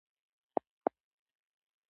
رضا پهلوي د اپوزېسیون ګډولو هڅې کړي.